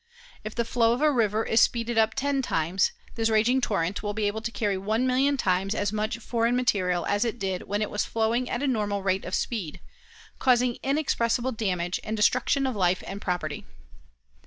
If the flow of a river is speeded up ten times, this raging torrent will be able to carry one million times as much foreign material as it did when it was flowing at a normal rate of speed, causing inexpressible damage and destruction of life and property.